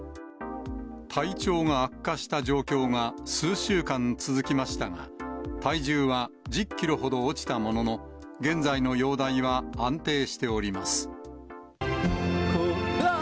体調が悪化した状況が数週間続きましたが、体重は１０キロほど落ちたものの、現在の容体は安定しております。